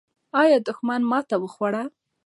آیا دښمن ماته وخوړه؟